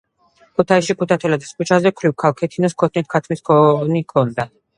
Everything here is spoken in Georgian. ქუთაისში ქუთათელის ქუჩაზე ,ქვრივ ქალ ქეთოს ქოთნით ქათმის ქონი ქონდა